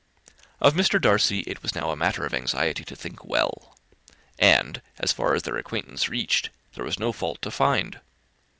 Of Mr. Darcy it was now a matter of anxiety to think well; and, as far as their acquaintance reached, there was no fault to find.